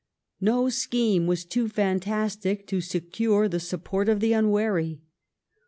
No scheme was too fantastic to secure the support of the unwary.